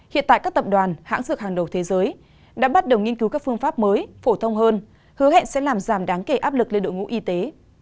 hiện tại các tập đoàn hãng dược hàng đầu thế giới đã bắt đầu nghiên cứu các phương pháp mới phổ thông hơn hứa hẹn sẽ làm giảm đáng kể áp lực lên đội ngũ y tế